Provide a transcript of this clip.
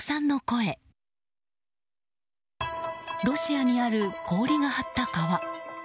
ロシアにある氷が張った川。